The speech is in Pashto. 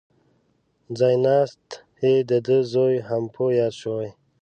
ځای ناست یې دده زوی هامپو یاد شوی.